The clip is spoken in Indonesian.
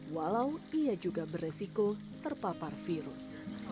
walau ia juga beresiko terpapar virus